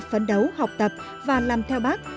phấn đấu học tập và làm theo bác